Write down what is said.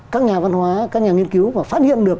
các nhà văn hóa các nhà nghiên cứu mà phát hiện được